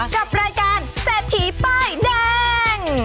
กับรายการเศรษฐีป้ายแดง